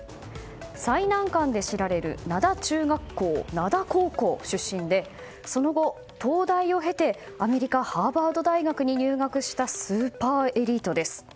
最難関で知られる灘中学、灘高校出身でその後、東大を経てアメリカハーバード大学に入学したスーパーエリートです。